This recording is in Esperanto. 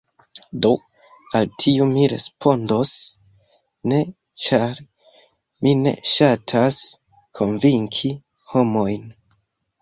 Do, al tiu mi respondos ‘ne’ ĉar mi ne ŝatas konvinki homojn